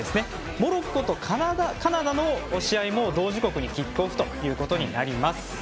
モロッコとカナダの試合も同時刻にキックオフということになります。